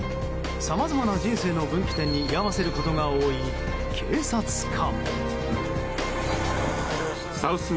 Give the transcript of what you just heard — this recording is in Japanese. さまざまな人生の分岐点に居合わせることが多い警察官。